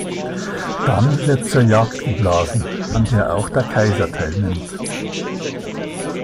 Dann wird zur Jagd geblasen, an der auch der Kaiser teilnimmt.